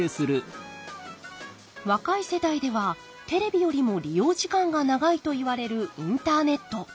若い世代ではテレビよりも利用時間が長いといわれるインターネット。